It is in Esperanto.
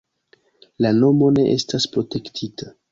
La nomo ne estas protektita.